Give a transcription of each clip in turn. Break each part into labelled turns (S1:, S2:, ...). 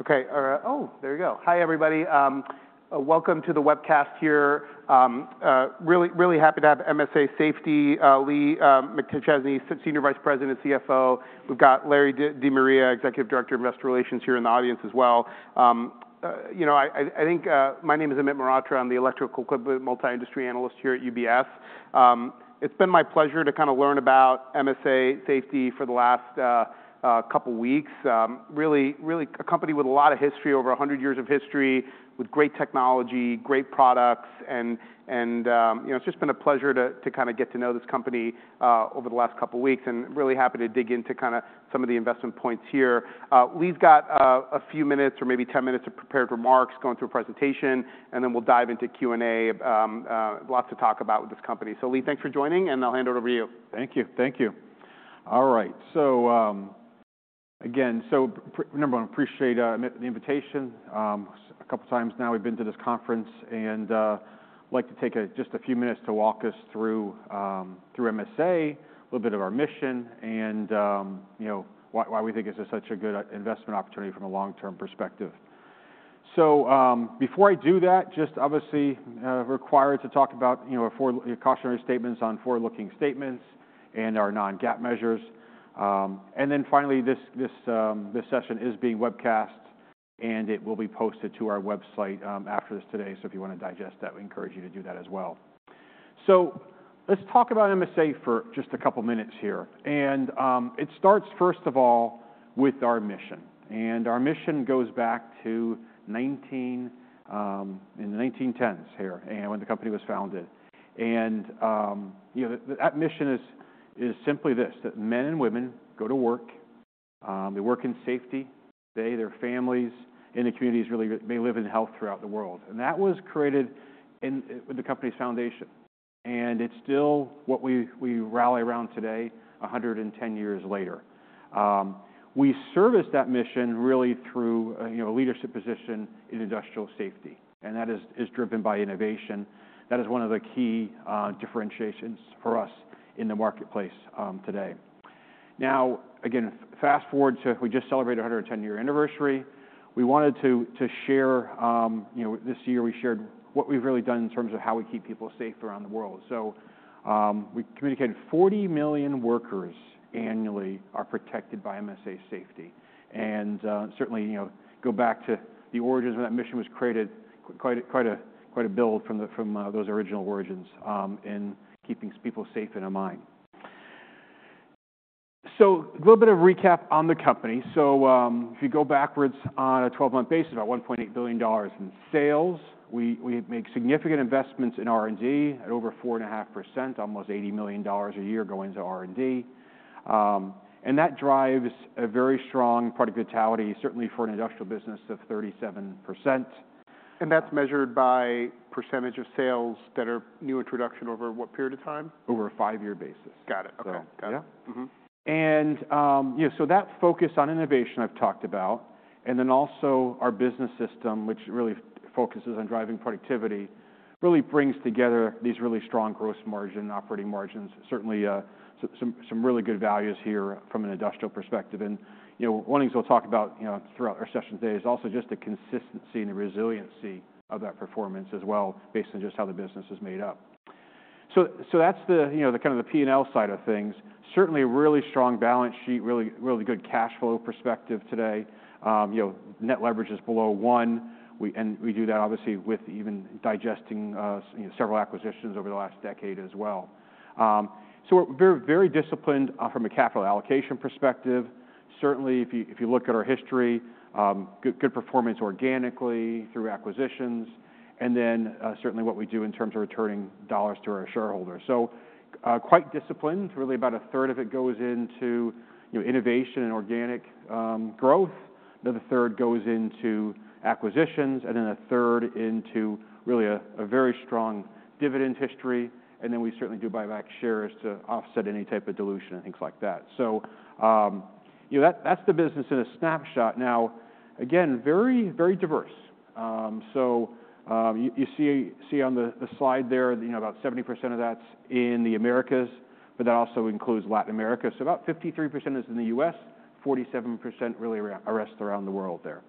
S1: Okay. All right. Oh, there we go. Hi, everybody. Welcome to the webcast here. Really, really happy to have MSA Safety, Lee McChesney, Senior Vice President and CFO. We've got Larry De Maria, Executive Director of Investor Relations, here in the audience as well. You know, I think my name is Amit Mehrotra. I'm the Electrical Equipment Multi-Industry Analyst here at UBS. It's been my pleasure to kinda learn about MSA Safety for the last couple weeks. Really, really a company with a lot of history, over 100 years of history, with great technology, great products, and, and, you know, it's just been a pleasure to kinda get to know this company, over the last couple weeks, and really happy to dig into kinda some of the investment points here. Lee's got a few minutes, or maybe 10 minutes, of prepared remarks going through a presentation, and then we'll dive into Q&A, lots to talk about with this company, so Lee, thanks for joining, and I'll hand it over to you.
S2: Thank you. Thank you. All right. So, again, so number one, appreciate the invitation. A couple times now we've been to this conference, and I'd like to take just a few minutes to walk us through MSA, a little bit of our mission, and you know, why we think this is such a good investment opportunity from a long-term perspective. So, before I do that, just obviously required to talk about you know, for cautionary statements on forward-looking statements and our non-GAAP measures. And then finally, this session is being webcast, and it will be posted to our website after this today. So if you wanna digest that, we encourage you to do that as well. So let's talk about MSA for just a couple minutes here. It starts first of all with our mission. Our mission goes back to 1914, in the 1910s here, and when the company was founded. You know, that mission is simply this: that men and women go to work, they work in safety, they their families in the communities really may live in health throughout the world. That was created with the company's foundation. It's still what we rally around today, 110 years later. We service that mission really through, you know, a leadership position in industrial safety. That is driven by innovation. That is one of the key differentiations for us in the marketplace today. Now, again, fast forward to we just celebrated 110-year anniversary. We wanted to share, you know, this year we shared what we've really done in terms of how we keep people safe around the world. So, we communicated 40 million workers annually are protected by MSA Safety. And, certainly, you know, go back to the origins when that mission was created, quite a build from those original origins, in keeping people safe in mind. So a little bit of recap on the company. If you go backwards on a 12-month basis, about $1.8 billion in sales. We make significant investments in R&D at over 4.5%, almost $80 million a year going into R&D. And that drives a very strong productivity, certainly for an industrial business, of 37%. That's measured by percentage of sales that are new introduction over what period of time? Over a 5-year basis.
S1: Got it. Okay.
S2: So, yeah.
S1: Mm-hmm.
S2: And, you know, so that focus on innovation I've talked about, and then also our business system, which really focuses on driving productivity, really brings together these really strong gross margin and operating margins, certainly, some really good values here from an industrial perspective. And, you know, one of the things we'll talk about, you know, throughout our session today is also just the consistency and the resiliency of that performance as well, based on just how the business is made up. So that's the, you know, the kind of the P&L side of things. Certainly, a really strong balance sheet, really, really good cash flow perspective today. You know, net leverage is below 1. We do that, obviously, with even digesting, you know, several acquisitions over the last decade as well. So we're very, very disciplined, from a capital allocation perspective. Certainly, if you look at our history, good performance organically through acquisitions. And then certainly what we do in terms of returning dollars to our shareholders. So quite disciplined. Really about a third of it goes into, you know, innovation and organic growth. Another third goes into acquisitions, and then a third into really a very strong dividend history. And then we certainly do buy back shares to offset any type of dilution and things like that. So you know, that's the business in a snapshot. Now again, very diverse. So you see on the slide there, you know, about 70% of that's in the Americas, but that also includes Latin America. So about 53% is in the US, 47% really addressed around the world there.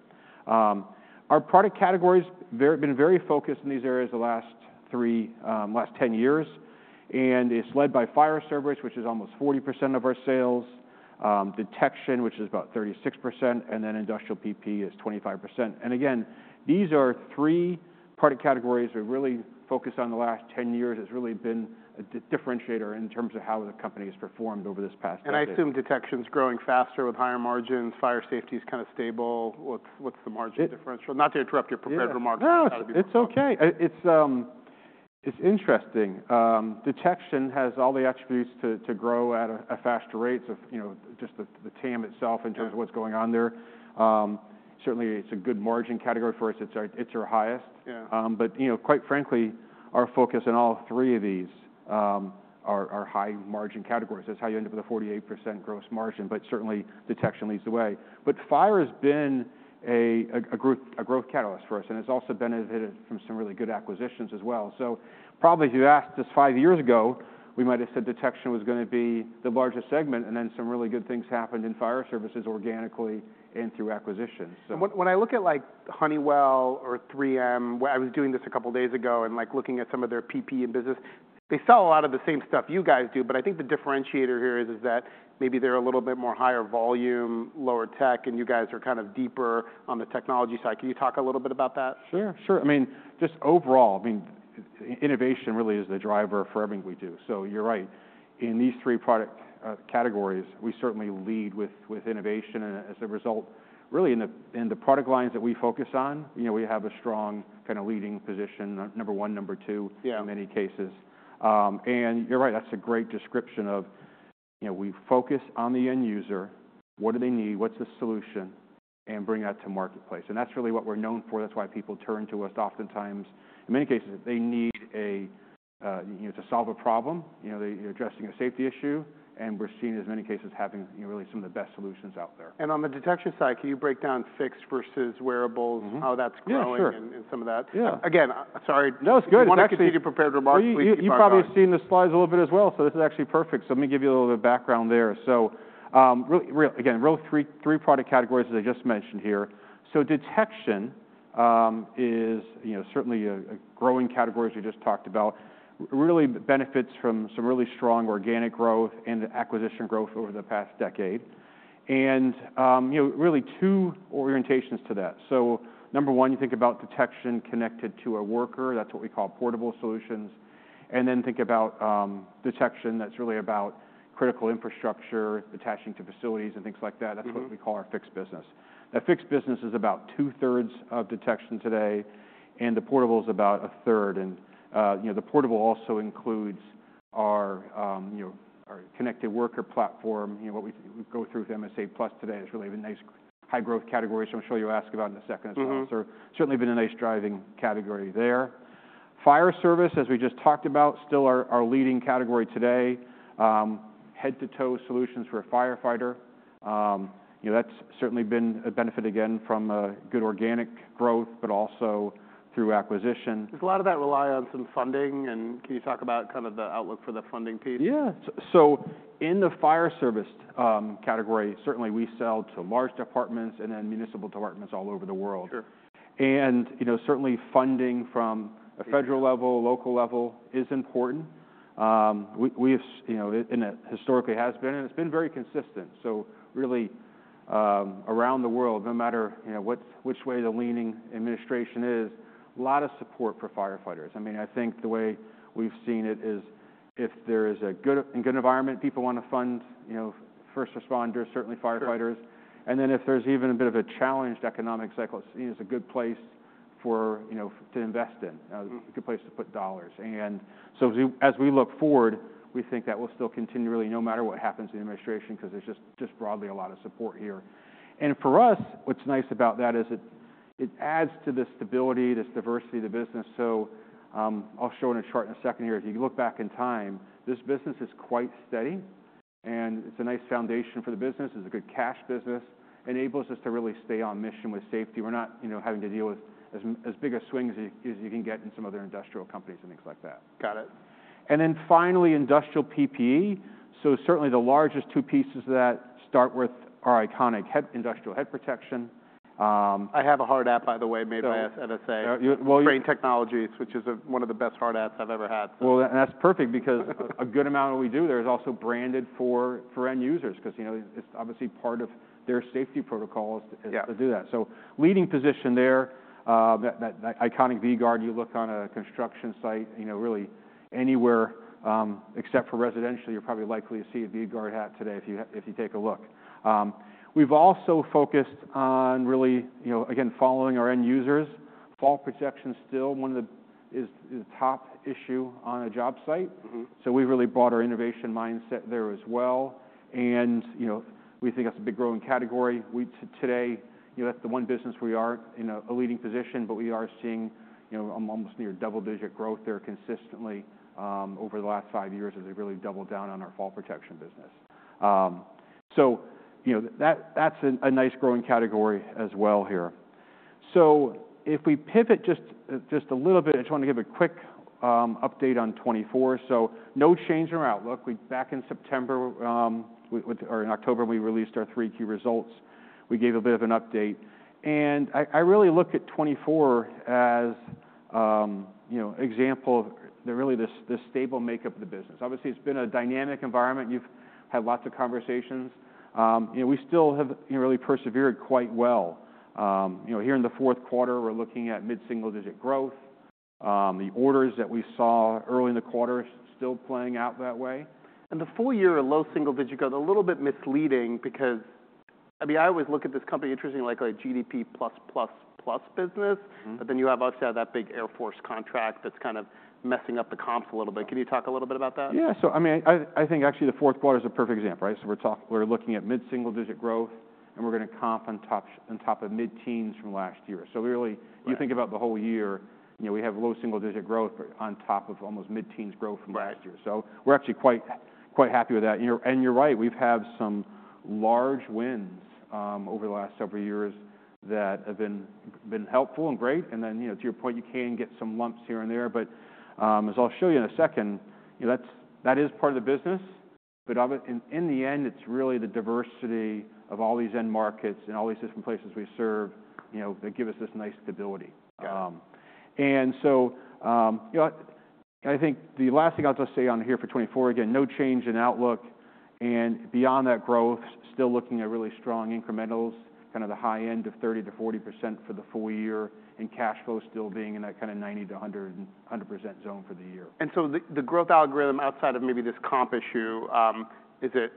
S2: Our product category's been very focused in these areas the last three, last 10 years. It's led by fire service which is almost 40% of our sales, detection which is about 36%, and then industrial PPE is 25%. Again, these are three product categories we've really focused on the last 10 years. It's really been a differentiator in terms of how the company has performed over this past decade.
S1: I assume detection's growing faster with higher margins. Fire safety's kinda stable. What's the margin differential? Not to interrupt your prepared remarks.
S2: No, it's okay. It's interesting. Detection has all the attributes to grow at a faster rates, you know, just the TAM itself in terms of what's going on there. Certainly, it's a good margin category for us. It's our highest.
S1: Yeah.
S2: But, you know, quite frankly, our focus in all three of these are high margin categories. That's how you end up with a 48% gross margin, but certainly, detection leads the way. But fire has been a growth catalyst for us, and it's also benefited from some really good acquisitions as well. So probably if you asked us five years ago, we might've said detection was gonna be the largest segment, and then some really good things happened in fire services organically and through acquisitions, so.
S1: What, when I look at, like, Honeywell or 3M, I was doing this a couple days ago and, like, looking at some of their PPE and business, they sell a lot of the same stuff you guys do, but I think the differentiator here is that maybe they're a little bit more higher volume, lower tech, and you guys are kind of deeper on the technology side. Can you talk a little bit about that?
S2: Sure. I mean, just overall, I mean, innovation really is the driver for everything we do. So you're right. In these three product categories, we certainly lead with innovation, and as a result, really in the product lines that we focus on, you know, we have a strong kinda leading position, number one, number two. Yeah. In many cases, and you're right. That's a great description of, you know, we focus on the end user. What do they need? What's the solution? And bring that to marketplace. And that's really what we're known for. That's why people turn to us oftentimes. In many cases, they need a, you know, to solve a problem, you know, they're addressing a safety issue, and we're seeing, in many cases, having, you know, really some of the best solutions out there.
S1: On the detection side, can you break down fixed versus wearables?
S2: Mm-hmm.
S1: How that's growing.
S2: Sure.
S1: And some of that?
S2: Yeah.
S1: Again, sorry.
S2: No, it's good.
S1: You want to continue to prepared remarks?
S2: Please, you probably. Please, you probably seen the slides a little bit as well, so this is actually perfect. So let me give you a little bit of background there. Really, three product categories as I just mentioned here. So detection is, you know, certainly a growing category as we just talked about. Really benefits from some really strong organic growth and acquisition growth over the past decade. And, you know, really two orientations to that. So number one, you think about detection connected to a worker. That's what we call portable solutions. And then think about detection that's really about critical infrastructure, attaching to facilities and things like that. That's what we call our fixed business. That fixed business is about two-thirds of detection today, and the portable's about a third. You know, the portable also includes our, you know, our connected worker platform, you know, what we go through with MSA+ today. It's really been nice, high-growth category, which I'm sure you'll ask about in a second as well.
S1: Mm-hmm.
S2: So certainly been a nice driving category there. Fire service, as we just talked about, still our leading category today. Head-to-toe solutions for a firefighter. You know, that's certainly been a benefit again from a good organic growth, but also through acquisition.
S1: Does a lot of that rely on some funding? And can you talk about kind of the outlook for the funding piece?
S2: Yeah. So in the fire service category, certainly we sell to large departments and then municipal departments all over the world.
S1: Sure.
S2: You know, certainly funding from a federal level, local level is important. We have, you know, historically has been, and it's been very consistent. Really, around the world, no matter, you know, which way the leaning administration is, a lot of support for firefighters. I mean, I think the way we've seen it is if there is a good environment, people wanna fund, you know, first responders, certainly firefighters.
S1: Sure.
S2: And then if there's even a bit of a challenged economic cycle, it's, you know, it's a good place for, you know, us to invest in.
S1: Mm-hmm.
S2: A good place to put dollars. And so as we look forward, we think that will still continue really, no matter what happens in the administration, 'cause there's just broadly a lot of support here. And for us, what's nice about that is it adds to the stability, this diversity of the business. So, I'll show in a chart in a second here. If you look back in time, this business is quite steady, and it's a nice foundation for the business. It's a good cash business. Enables us to really stay on mission with safety. We're not, you know, having to deal with as much as big a swings as you can get in some other industrial companies and things like that.
S1: Got it. And then finally, industrial PPE. So certainly the largest two pieces of that start with our iconic head industrial head protection. I have a hard hat, by the way, made by MSA.
S2: Oh, you? You're well, you.
S1: Brain Technologies, which is one of the best hard hats I've ever had, so. That's perfect because a good amount of what we do there is also branded for end users, 'cause, you know, it's obviously part of their safety protocols to do that.
S2: Yeah.
S1: Leading position there, that iconic V-Gard. You look on a construction site, you know, really anywhere, except for residential, you're probably likely to see a V-Gard hat today if you take a look. We've also focused on really, you know, again, following our end users. Fall protection's still one of the top issues on a job site.
S2: Mm-hmm.
S1: So we've really brought our innovation mindset there as well. And, you know, we think that's a big growing category. We today, you know, that's the one business we are in a leading position, but we are seeing, you know, almost near double-digit growth there consistently, over the last five years as we really double down on our fall protection business. So, you know, that's a nice growing category as well here. So if we pivot just a little bit, I just wanna give a quick update on 2024. So no change in our outlook. We back in September, with our in October, we released our three key results. We gave a bit of an update. And I really look at 2024 as, you know, example of really this stable makeup of the business. Obviously, it's been a dynamic environment. You've had lots of conversations. You know, we still have, you know, really persevered quite well. You know, here in the fourth quarter, we're looking at mid-single-digit growth. The orders that we saw early in the quarter's still playing out that way, and the full-year low single-digit growth a little bit misleading because, I mean, I always look at this company interestingly like a GDP plus, plus, plus business.
S2: Mm-hmm.
S1: But then you have obviously had that big Air Force contract that's kind of messing up the comps a little bit. Can you talk a little bit about that?
S2: Yeah. So, I mean, I think actually the fourth quarter's a perfect example, right? So we're looking at mid-single-digit growth, and we're gonna comp on top of mid-teens from last year. So really. Yeah. You think about the whole year, you know, we have low single-digit growth, but on top of almost mid-teens growth from last year. So we're actually quite, quite happy with that. And you're and you're right. We've had some large wins, over the last several years that have been, been helpful and great. And then, you know, to your point, you can get some lumps here and there, but, as I'll show you in a second, you know, that's, that is part of the business, but obvi in, in the end, it's really the diversity of all these end markets and all these different places we serve, you know, that give us this nice stability.
S1: Got it.
S2: And so, you know, I think the last thing I'll just say on here for 2024, again, no change in outlook. And beyond that growth, still looking at really strong incrementals, kind of the high end of 30%-40% for the full year and cash flow still being in that kinda 90%-100% zone for the year.
S1: And so the growth algorithm outside of maybe this comp issue is it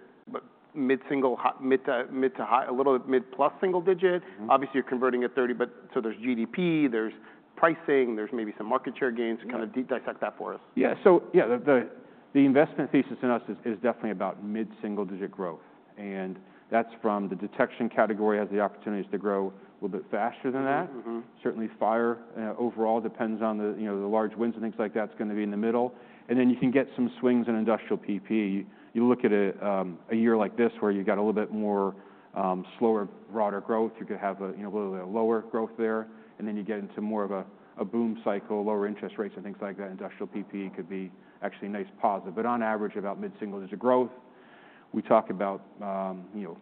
S1: mid-single high mid to high, a little bit mid-plus single digit?
S2: Mm-hmm.
S1: Obviously, you're converting at 30, but so there's GDP, there's pricing, there's maybe some market share gains.
S2: Mm-hmm.
S1: Can you kinda de-dissect that for us?
S2: Yeah, so yeah, the investment thesis in the U.S. is definitely about mid-single-digit growth, and that's from the detection category has the opportunities to grow a little bit faster than that.
S1: Mm-hmm.
S2: Certainly, fire overall depends on the, you know, the large wins and things like that. That's gonna be in the middle. And then you can get some swings in industrial PPE. You look at a year like this where you've got a little bit more slower, broader growth. You could have a, you know, a little bit of lower growth there. And then you get into more of a boom cycle, lower interest rates and things like that. Industrial PPE could be actually a nice positive. But on average, about mid-single-digit growth. We talk about, you know,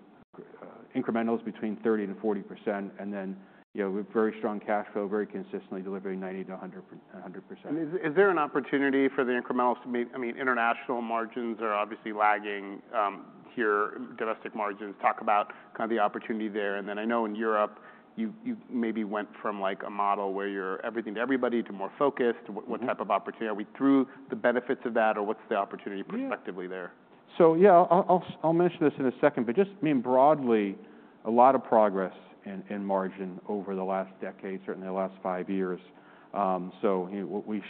S2: incrementals between 30%-40%. And then, you know, we have very strong cash flow, very consistently delivering 90%-100% per 100%.
S1: Is there an opportunity for the incrementals to meet? I mean, international margins are obviously lagging behind domestic margins. Talk about kinda the opportunity there. Then I know in Europe, you maybe went from, like, a model where you're everything to everybody to more focused, to what type of opportunity are we through the benefits of that, or what's the opportunity prospectively there?
S2: Yeah. So yeah, I'll mention this in a second, but just, I mean, broadly, a lot of progress in margin over the last decade, certainly the last five years. You know, we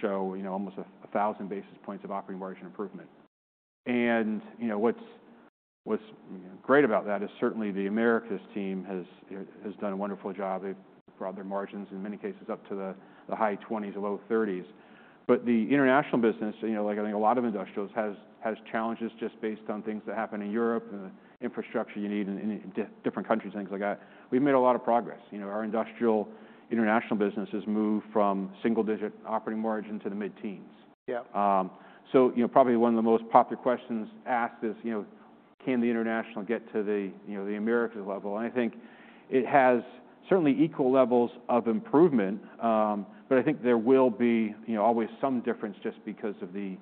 S2: show, you know, almost a thousand basis points of operating margin improvement. And, you know, what's great about that is certainly the Americas team has done a wonderful job. They've brought their margins in many cases up to the high 20s, low 30s. But the international business, you know, like I think a lot of industrials has challenges just based on things that happen in Europe and the infrastructure you need in different countries and things like that. We've made a lot of progress. You know, our industrial international business has moved from single-digit operating margin to the mid-teens.
S1: Yeah.
S2: So, you know, probably one of the most popular questions asked is, you know, can the international get to the, you know, the Americas level? And I think it has certainly equal levels of improvement, but I think there will be, you know, always some difference just because of the,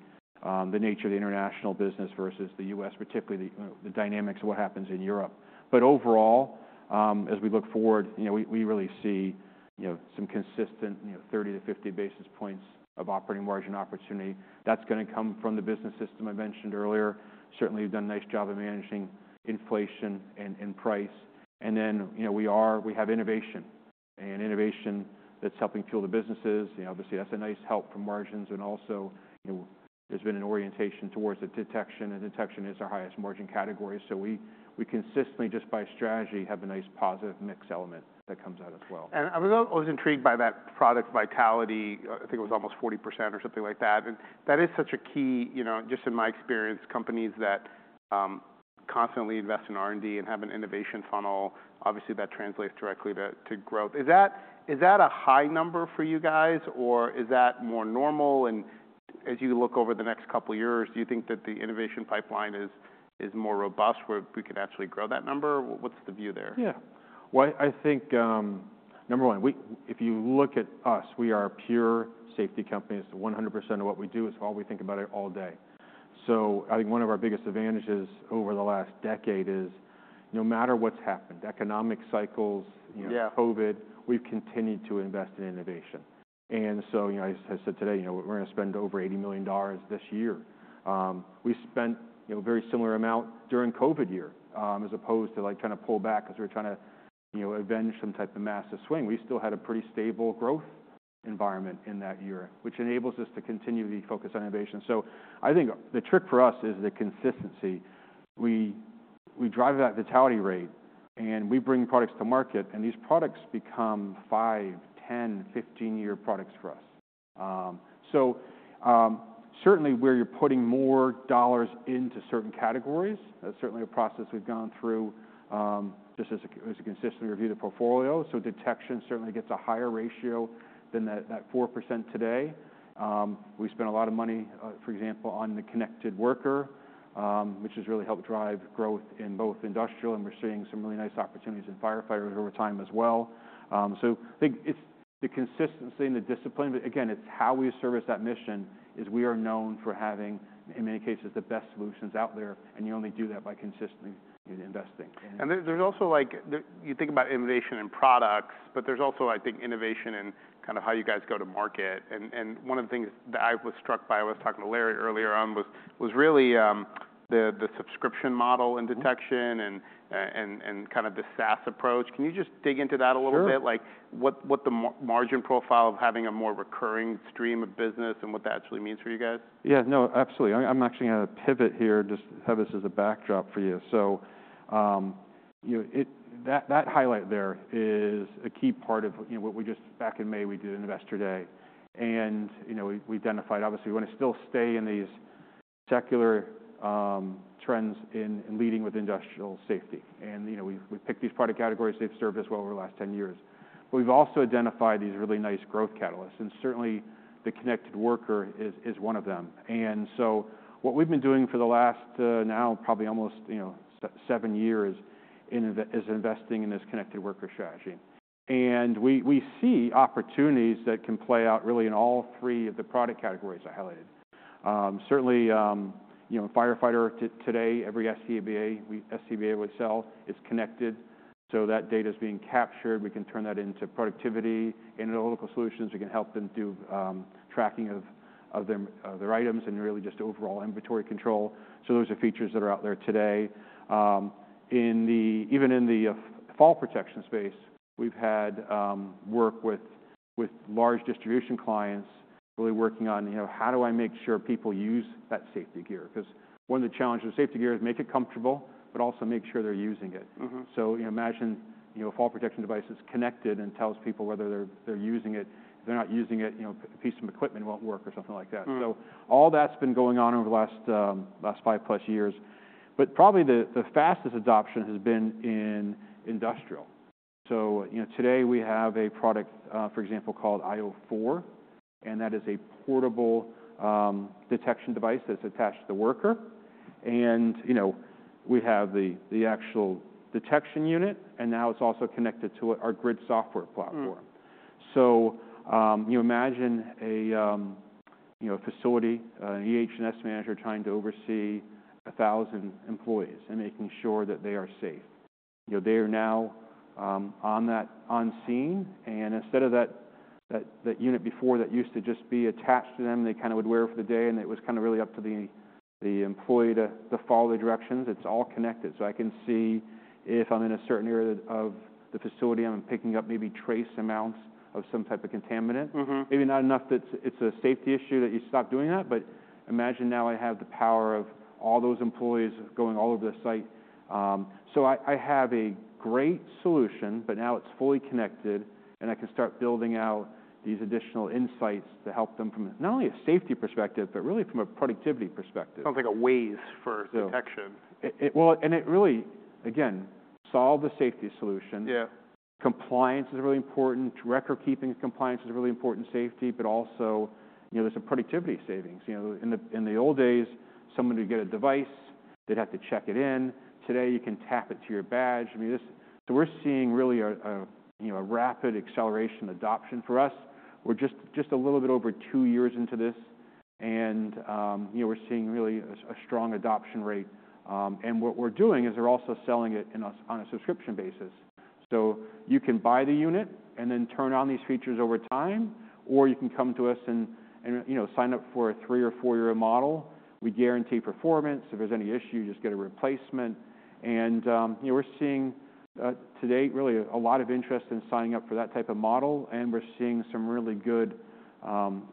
S2: the nature of the international business versus the U.S., particularly the, you know, the dynamics of what happens in Europe. But overall, as we look forward, you know, we, we really see, you know, some consistent, you know, 30-50 basis points of operating margin opportunity. That's gonna come from the business system I mentioned earlier. Certainly, we've done a nice job of managing inflation and, and price. And then, you know, we have innovation and innovation that's helping fuel the businesses. You know, obviously, that's a nice help for margins. Also, you know, there's been an orientation towards the detection, and detection is our highest margin category. So we consistently, just by strategy, have a nice positive mix element that comes out as well.
S1: I was always intrigued by that product vitality. I think it was almost 40% or something like that. That is such a key, you know, just in my experience, companies that constantly invest in R&D and have an innovation funnel, obviously that translates directly to growth. Is that a high number for you guys, or is that more normal? As you look over the next couple of years, do you think that the innovation pipeline is more robust where we could actually grow that number? What's the view there?
S2: Yeah. Well, I think, number one, if you look at us, we are a pure safety company. It's 100% of what we do. It's all we think about all day. So I think one of our biggest advantages over the last decade is no matter what's happened, economic cycles, you know.
S1: Yeah.
S2: COVID, we've continued to invest in innovation, and so, you know, I said today, you know, we're gonna spend over $80 million this year. We spent, you know, a very similar amount during COVID year, as opposed to, like, trying to pull back 'cause we were trying to, you know, avoid some type of massive swing. We still had a pretty stable growth environment in that year, which enables us to continue the focus on innovation. So I think the trick for us is the consistency. We drive that vitality rate, and we bring products to market, and these products become five, 10, 15-year products for us, so certainly where you're putting more dollars into certain categories, that's certainly a process we've gone through, just as we consistently review the portfolio, so detection certainly gets a higher ratio than that 4% today. We spent a lot of money, for example, on the connected worker, which has really helped drive growth in both industrial, and we're seeing some really nice opportunities in firefighters over time as well, so I think it's the consistency and the discipline, but again, it's how we service that mission is we are known for having, in many cases, the best solutions out there, and you only do that by consistently investing.
S1: There's also, like, when you think about innovation and products, but there's also, I think, innovation in kind of how you guys go to market. One of the things that I was struck by, I was talking to Larry earlier on, was really the subscription model and detection and kinda the SaaS approach. Can you just dig into that a little bit?
S2: Sure.
S1: Like, what the margin profile of having a more recurring stream of business and what that actually means for you guys?
S2: Yeah. No, absolutely. I'm actually gonna pivot here, just have this as a backdrop for you. So, you know, that highlight there is a key part of, you know, what we just back in May, we did Investor Day. And, you know, we identified, obviously, we wanna still stay in these secular trends in leading with industrial safety. And, you know, we picked these product categories. They've served us well over the last 10 years. But we've also identified these really nice growth catalysts, and certainly the connected worker is one of them. And so what we've been doing for the last, now probably almost, you know, seven years investing in this connected worker strategy. And we see opportunities that can play out really in all three of the product categories I highlighted. Certainly, you know, firefighter today, every SCBA we sell is connected, so that data's being captured. We can turn that into productivity, analytical solutions. We can help them do tracking of their items and really just overall inventory control. So those are features that are out there today. In the even in the fall protection space, we've had work with large distribution clients really working on, you know, how do I make sure people use that safety gear? 'Cause one of the challenges with safety gear is make it comfortable, but also make sure they're using it.
S1: Mm-hmm.
S2: You know, imagine, you know, a fall protection device is connected and tells people whether they're using it. If they're not using it, you know, a piece of equipment won't work or something like that.
S1: Mm-hmm.
S2: So all that's been going on over the last 5+ years. But probably the fastest adoption has been in industrial. So, you know, today we have a product, for example, called io4, and that is a portable detection device that's attached to the worker. And, you know, we have the actual detection unit, and now it's also connected to our Grid software platform.
S1: Mm-hmm.
S2: So, you imagine a—you know—a facility, an EH&S manager trying to oversee 1,000 employees and making sure that they are safe. You know, they are now on the scene. And instead of that unit that used to just be attached to them, they kinda would wear it for the day, and it was kinda really up to the employee to follow the directions. It's all connected. So I can see if I'm in a certain area of the facility, I'm picking up maybe trace amounts of some type of contaminant.
S1: Mm-hmm.
S2: Maybe not enough that it's a safety issue that you stop doing that, but imagine now I have the power of all those employees going all over the site. So I have a great solution, but now it's fully connected, and I can start building out these additional insights to help them from not only a safety perspective, but really from a productivity perspective.
S1: Sounds like a Waze for detection.
S2: Yeah. It, well, and it really, again, solve the safety solution.
S1: Yeah.
S2: Compliance is really important. Record-keeping compliance is really important safety, but also, you know, there's some productivity savings. You know, in the old days, someone would get a device, they'd have to check it in. Today, you can tap it to your badge. I mean, this, so we're seeing really a rapid acceleration adoption for us. We're just a little bit over two years into this. And, you know, we're seeing really a strong adoption rate. And what we're doing is we're also selling it on a subscription basis. So you can buy the unit and then turn on these features over time, or you can come to us and, you know, sign up for a three- or four-year model. We guarantee performance. If there's any issue, you just get a replacement. You know, we're seeing, today really a lot of interest in signing up for that type of model, and we're seeing some really good,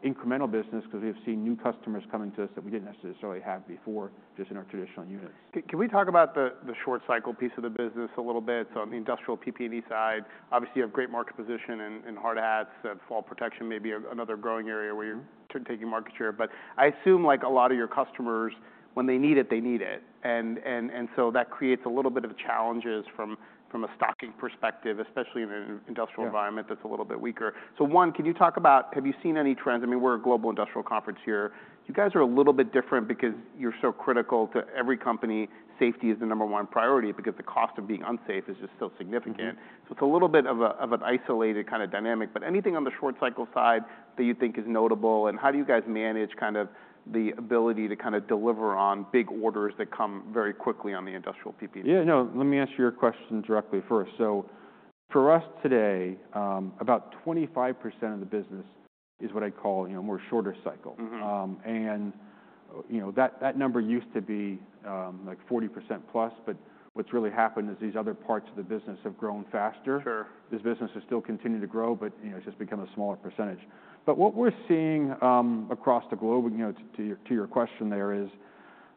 S2: incremental business 'cause we have seen new customers coming to us that we didn't necessarily have before just in our traditional units.
S1: Can we talk about the short-cycle piece of the business a little bit? So on the industrial PPE side, obviously you have great market position in hard hats and fall protection, maybe another growing area where you're taking market share. But I assume, like, a lot of your customers, when they need it, they need it. And so that creates a little bit of challenges from a stocking perspective, especially in an industrial environment that's a little bit weaker. So, one, can you talk about? Have you seen any trends? I mean, we're a global industrial conference here. You guys are a little bit different because you're so critical to every company. Safety is the number one priority because the cost of being unsafe is just so significant. So it's a little bit of an isolated kinda dynamic. But anything on the short-cycle side that you think is notable? And how do you guys manage kind of the ability to kinda deliver on big orders that come very quickly on the industrial PPE?
S2: Yeah. No, let me answer your question directly first. For us today, about 25% of the business is what I'd call, you know, more short-cycle.
S1: Mm-hmm.
S2: You know, that number used to be like 40% plus. But what's really happened is these other parts of the business have grown faster.
S1: Sure.
S2: This business has still continued to grow, but, you know, it's just become a smaller percentage. But what we're seeing across the globe, you know, to your question there is,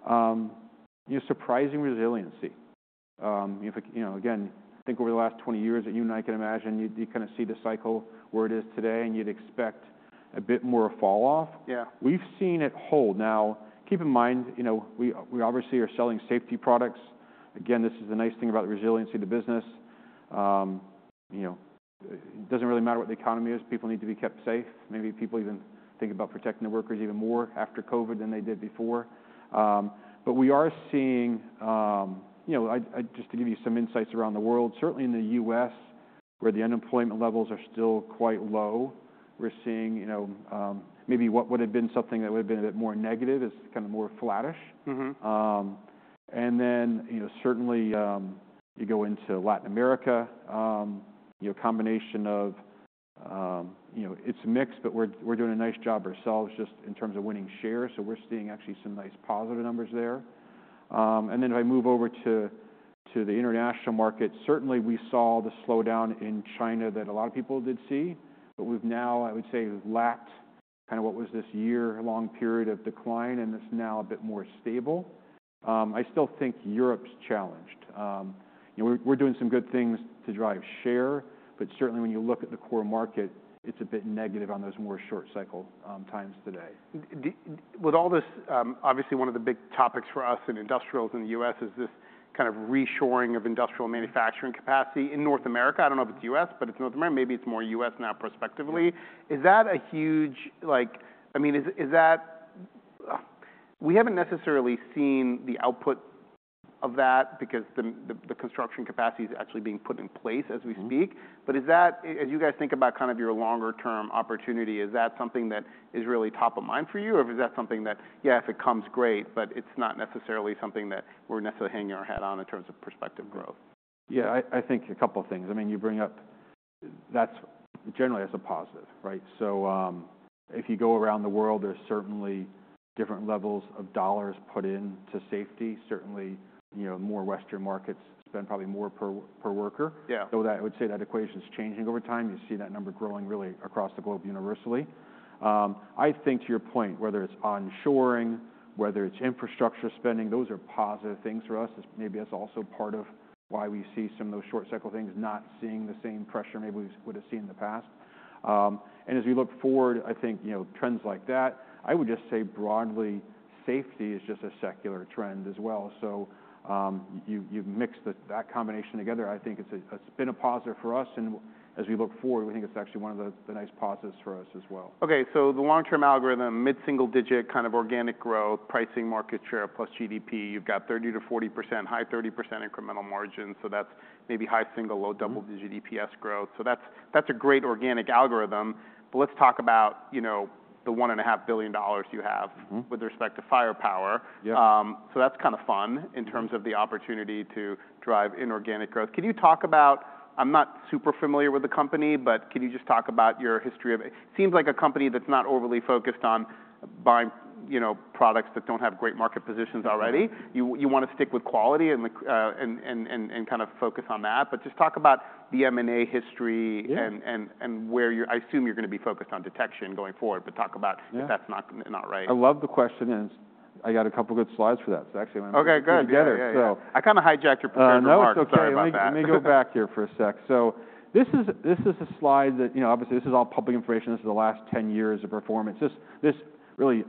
S2: you know, surprising resiliency. You know, if you know, again, I think over the last 20 years at United, I can imagine you, you kinda see the cycle where it is today, and you'd expect a bit more of a falloff.
S1: Yeah.
S2: We've seen it hold. Now, keep in mind, you know, we obviously are selling safety products. Again, this is the nice thing about the resiliency of the business. You know, it doesn't really matter what the economy is. People need to be kept safe. Maybe people even think about protecting their workers even more after COVID than they did before. But we are seeing, you know, I just to give you some insights around the world, certainly in the U.S., where the unemployment levels are still quite low, we're seeing, you know, maybe what had been something that would've been a bit more negative is kinda more flattish.
S1: Mm-hmm.
S2: And then, you know, certainly, you go into Latin America, you know, a combination of, you know, it's mixed, but we're doing a nice job ourselves just in terms of winning share. So we're seeing actually some nice positive numbers there. And then if I move over to the international market, certainly we saw the slowdown in China that a lot of people did see, but we've now, I would say, lapped kinda what was this year-long period of decline, and it's now a bit more stable. I still think Europe's challenged. You know, we're doing some good things to drive share, but certainly when you look at the core market, it's a bit negative on those more short-cycle times today.
S1: Deal with all this, obviously one of the big topics for us in industrials in the U.S. is this kind of reshoring of industrial manufacturing capacity in North America. I don't know if it's U.S., but it's North America. Maybe it's more U.S. now prospectively. Is that a huge, like I mean, is that we haven't necessarily seen the output of that because the construction capacity is actually being put in place as we speak.
S2: Mm-hmm.
S1: But is that, as you guys think about kind of your longer-term opportunity, is that something that is really top of mind for you, or is that something that, yeah, if it comes, great, but it's not necessarily something that we're necessarily hanging our hat on in terms of prospective growth?
S2: Yeah. I think a couple of things. I mean, you bring up that's generally as a positive, right? So, if you go around the world, there's certainly different levels of dollars put into safety. Certainly, you know, more Western markets spend probably more per worker.
S1: Yeah.
S2: thought that I would say that equation's changing over time. You see that number growing really across the globe universally. I think to your point, whether it's on shoring, whether it's infrastructure spending, those are positive things for us. It's maybe that's also part of why we see some of those short-cycle things, not seeing the same pressure maybe we would've seen in the past. And as we look forward, I think, you know, trends like that, I would just say broadly, safety is just a secular trend as well. So, you mix that combination together, I think it's been a positive for us. And as we look forward, we think it's actually one of the nice positives for us as well.
S1: Okay. So the long-term algorithm, mid-single-digit kind of organic growth, pricing market share plus GDP, you've got 30%-40%, high 30% incremental margin. So that's maybe high single, low double-digit EPS growth. So that's, that's a great organic algorithm. But let's talk about, you know, the $1.5 billion you have.
S2: Mm-hmm.
S1: With respect to firepower.
S2: Yeah.
S1: So that's kinda fun in terms of the opportunity to drive inorganic growth. Can you talk about? I'm not super familiar with the company, but can you just talk about your history of it? Seems like a company that's not overly focused on buying, you know, products that don't have great market positions already.
S2: Mm-hmm.
S1: You wanna stick with quality and kind of focus on that. But just talk about the M&A history and where you're, I assume you're gonna be focused on detection going forward, but talk about.
S2: Yeah.
S1: If that's not right.
S2: I love the question and I got a couple good slides for that, so actually I'm gonna put them together.
S1: Okay. Good. Yeah.
S2: So yeah.
S1: I kinda hijacked your presenter part.
S2: Oh, no. It's okay.
S1: Sorry about that.
S2: Let me go back here for a sec. So this is a slide that, you know, obviously this is all public information. This is the last 10 years of performance. This really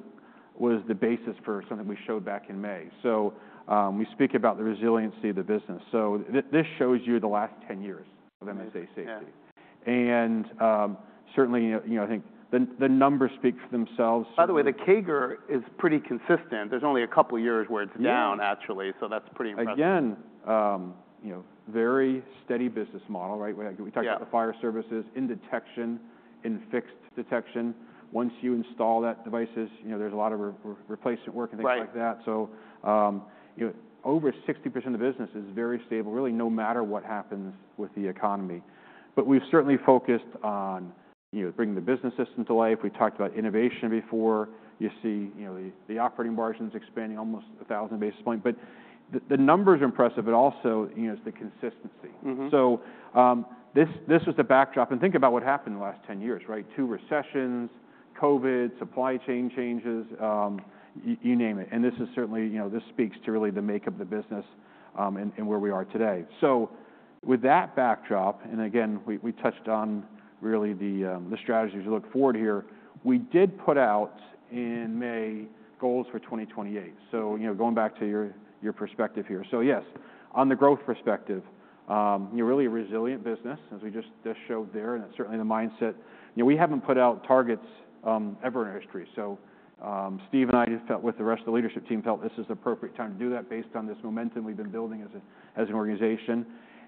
S2: was the basis for something we showed back in May. So, we speak about the resiliency of the business. So this shows you the last 10 years of MSA Safety.
S1: Okay.
S2: Certainly, you know, I think the numbers speak for themselves.
S1: By the way, the CAGR is pretty consistent. There's only a couple years where it's down.
S2: Yeah.
S1: Actually, so that's pretty impressive.
S2: Again, you know, very steady business model, right? We like we talked about the fire services in detection, in fixed detection. Once you install that devices, you know, there's a lot of replacement work and things like that.
S1: Right.
S2: So, you know, over 60% of the business is very stable, really, no matter what happens with the economy. But we've certainly focused on, you know, bringing the business system to life. We talked about innovation before. You see, you know, the operating margins expanding almost 1,000 basis points. But the numbers are impressive, but also, you know, it's the consistency.
S1: Mm-hmm.
S2: So, this was the backdrop. Think about what happened in the last 10 years, right? Two recessions, COVID, supply chain changes, you name it. This is certainly, you know, this speaks to really the makeup of the business, and where we are today. So with that backdrop, and again, we touched on really the strategies we look forward here. We did put out in May goals for 2028. So, you know, going back to your perspective here. So yes, on the growth perspective, you know, really a resilient business, as we just showed there, and it's certainly the mindset. You know, we haven't put out targets, ever in our history. So, Steve and I, with the rest of the leadership team, felt this is the appropriate time to do that based on this momentum we've been building as an organization.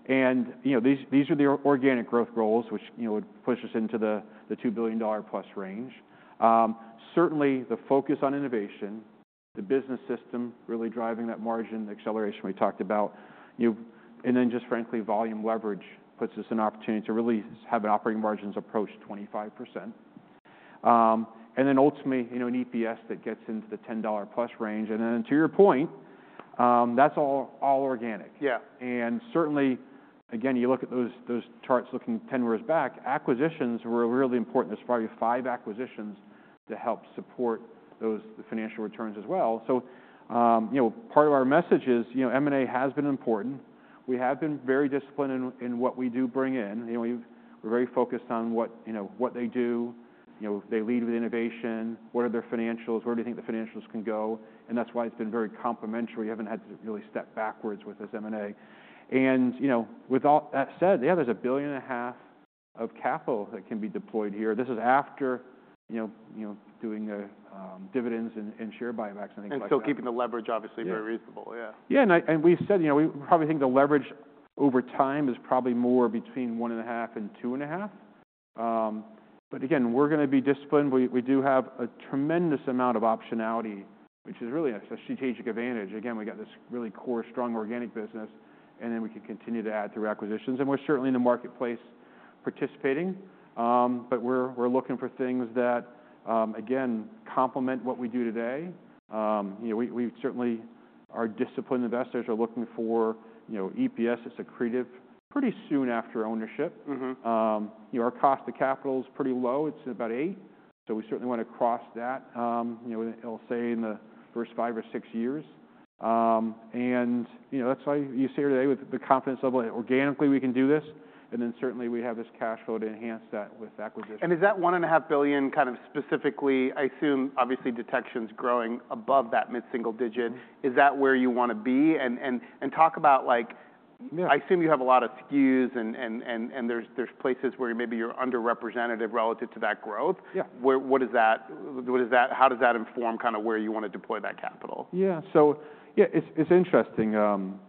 S2: And, you know, these are the organic growth goals, which, you know, would push us into the $2 billion+ range. Certainly the focus on innovation, the business system really driving that margin acceleration we talked about, you know, and then just frankly, volume leverage puts us in an opportunity to really have operating margins approach 25%. And then ultimately, you know, an EPS that gets into the $10+ range. And then to your point, that's all organic.
S1: Yeah.
S2: Certainly, again, you look at those charts looking 10 years back. Acquisitions were really important. There's probably five acquisitions to help support those financial returns as well. Part of our message is, you know, M&A has been important. We have been very disciplined in what we do bring in. You know, we're very focused on what they do, you know, they lead with innovation, what are their financials, where do you think the financials can go. And that's why it's been very complementary. We haven't had to really step backwards with this M&A. With all that said, yeah, there's $1.5 billion of capital that can be deployed here. This is after doing the dividends and share buybacks and things like that.
S1: And still keeping the leverage, obviously, very reasonable. Yeah.
S2: Yeah. And I, and we said, you know, we probably think the leverage over time is probably more between 1.5 and 2.5. But again, we're gonna be disciplined. We, we do have a tremendous amount of optionality, which is really a strategic advantage. Again, we got this really core, strong organic business, and then we can continue to add through acquisitions. And we're certainly in the marketplace participating. But we're, we're looking for things that, again, complement what we do today. You know, we, we certainly our disciplined investors are looking for, you know, EPS that's accretive pretty soon after ownership.
S1: Mm-hmm.
S2: You know, our cost of capital's pretty low. It's about 8%. So we certainly wanna cross that, you know, I'll say in the first five or six years. And, you know, that's why you see here today with the confidence level that organically we can do this. And then certainly we have this cash flow to enhance that with acquisitions.
S1: Is that $1.5 billion kind of specifically, I assume, obviously, detection's growing above that mid-single digit?
S2: Mm-hmm.
S1: Is that where you wanna be? And talk about, like.
S2: Yeah.
S1: I assume you have a lot of SKUs and there's places where maybe you're underrepresented relative to that growth.
S2: Yeah.
S1: Where, what does that, how does that inform kinda where you wanna deploy that capital?
S2: Yeah. So yeah, it's interesting.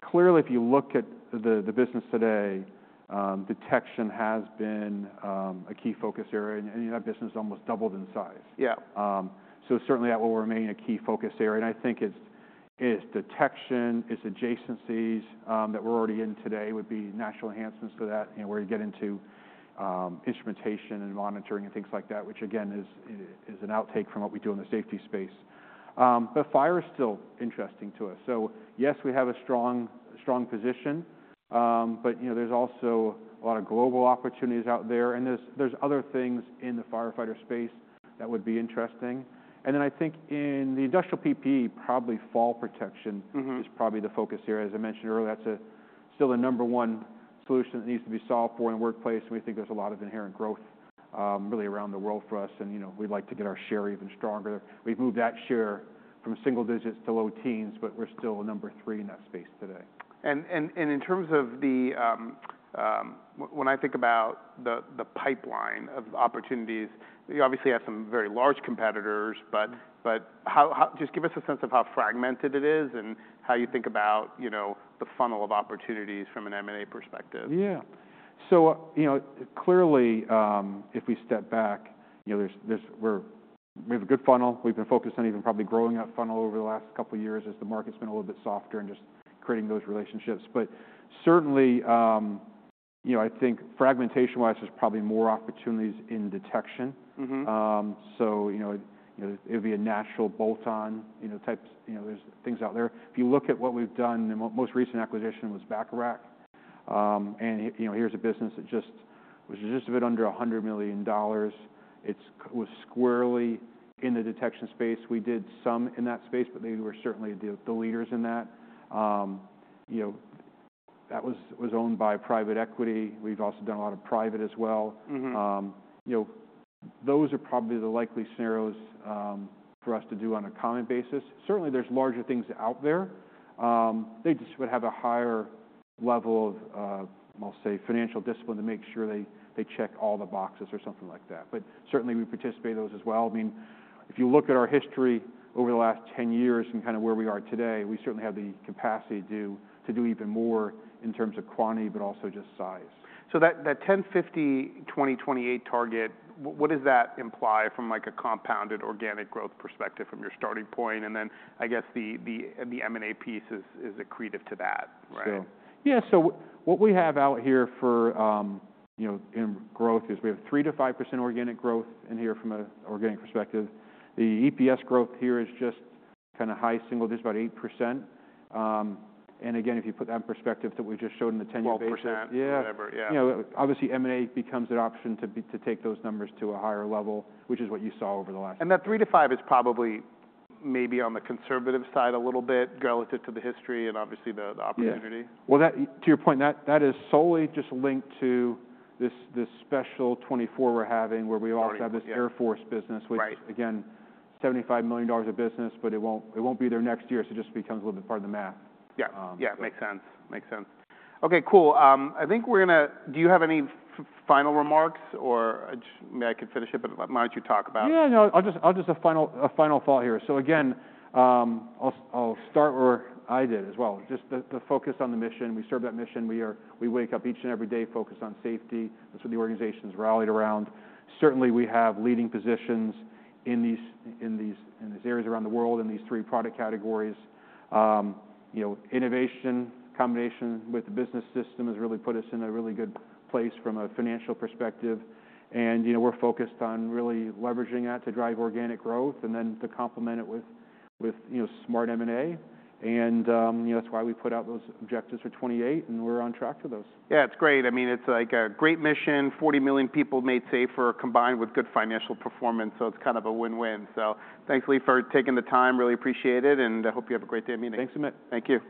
S2: Clearly, if you look at the business today, detection has been a key focus area. And you know, that business has almost doubled in size.
S1: Yeah.
S2: So certainly that will remain a key focus area. And I think it's detection, adjacencies that we're already in today would be natural enhancements to that, you know, where you get into instrumentation and monitoring and things like that, which again is an outtake from what we do in the safety space. But fire is still interesting to us. So yes, we have a strong, strong position. But, you know, there's also a lot of global opportunities out there. And there's other things in the firefighter space that would be interesting. And then I think in the industrial PPE, probably fall protection.
S1: Mm-hmm.
S2: It's probably the focus here. As I mentioned earlier, that's still the number one solution that needs to be solved for in the workplace. And we think there's a lot of inherent growth, really around the world for us. And, you know, we'd like to get our share even stronger. We've moved that share from single digits to low teens, but we're still number three in that space today.
S1: In terms of, when I think about the pipeline of opportunities, you obviously have some very large competitors, but how just give us a sense of how fragmented it is and how you think about, you know, the funnel of opportunities from an M&A perspective?
S2: Yeah. So, you know, clearly, if we step back, you know, we have a good funnel. We've been focused on even probably growing that funnel over the last couple of years as the market's been a little bit softer and just creating those relationships. But certainly, you know, I think fragmentation-wise, there's probably more opportunities in detection.
S1: Mm-hmm.
S2: So, you know, it'd be a natural bolt-on, you know, types, you know, there's things out there. If you look at what we've done, the most recent acquisition was Bacharach. And, you know, here's a business that was just a bit under $100 million. It was squarely in the detection space. We did some in that space, but they were certainly the leaders in that. You know, that was owned by private equity. We've also done a lot of private as well.
S1: Mm-hmm.
S2: You know, those are probably the likely scenarios for us to do on a common basis. Certainly, there's larger things out there. They just would have a higher level of, I'll say, financial discipline to make sure they check all the boxes or something like that. But certainly, we participate in those as well. I mean, if you look at our history over the last 10 years and kinda where we are today, we certainly have the capacity to do even more in terms of quantity, but also just size.
S1: So that 1050 2028 target, what does that imply from like a compounded organic growth perspective from your starting point? And then I guess the M&A piece is accretive to that, right?
S2: So yeah. So what we have out here for, you know, in growth is we have 3%-5% organic growth in here from an organic perspective. The EPS growth here is just kinda high single digits, about 8%. And again, if you put that in perspective that we just showed in the 10-year basis.
S1: 12%, whatever. Yeah.
S2: Yeah. You know, obviously, M&A becomes an option to take those numbers to a higher level, which is what you saw over the last.
S1: That 3-5 is probably maybe on the conservative side a little bit relative to the history and obviously the opportunity.
S2: Yeah, well, that, to your point, that is solely just linked to this special 2024 we're having where we also have this U.S. Air Force business, which.
S1: Right.
S2: Again, $75 million of business, but it won't be there next year. So it just becomes a little bit part of the math.
S1: Yeah. Yeah. Makes sense. Makes sense. Okay. Cool. I think we're gonna do. You have any final remarks or I just may I could finish it, but why don't you talk about.
S2: Yeah. No, I'll just a final thought here. So again, I'll start where I did as well. Just the focus on the mission. We serve that mission. We wake up each and every day focused on safety. That's what the organization's rallied around. Certainly, we have leading positions in these areas around the world in these three product categories. You know, innovation combination with the business system has really put us in a really good place from a financial perspective. And, you know, we're focused on really leveraging that to drive organic growth and then to complement it with, you know, smart M&A. And, you know, that's why we put out those objectives for 2028, and we're on track for those.
S1: Yeah. It's great. I mean, it's like a great mission, 40 million people made safer combined with good financial performance. So it's kind of a win-win. So thanks, Lee, for taking the time. Really appreciate it. And I hope you have a great day.
S2: Thanks, Amit.
S1: Thank you.